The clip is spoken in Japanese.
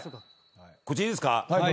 こっちいいですか？